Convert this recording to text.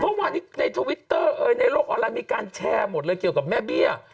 เมื่อวานนี้ในทวิตเตอร์เอ่ยในโลกออนไลน์มีการแชร์หมดเลยเกี่ยวกับแม่เบี้ย